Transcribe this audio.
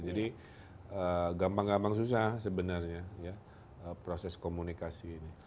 jadi gampang gampang susah sebenarnya ya proses komunikasi ini